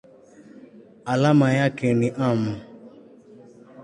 Alama yake ni µm.